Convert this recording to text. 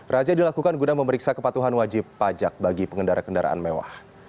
razia dilakukan guna memeriksa kepatuhan wajib pajak bagi pengendara kendaraan mewah